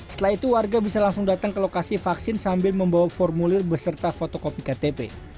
setelah itu warga bisa langsung datang ke lokasi vaksin sambil membawa formulir beserta fotokopi ktp